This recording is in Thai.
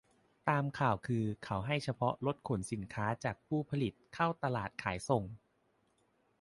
ตามข่าวคือ เขาให้เฉพาะรถขนสินค้าจากผู้ผลิตเข้าตลาดขายส่ง